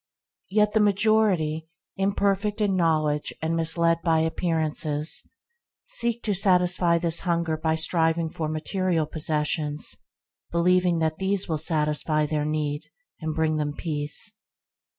Yet the majority, im perfect in knowledge and misled by appear ances, seek to satisfy this hunger by striving for material possessions, believing that these will satisfy their need and bring them peace.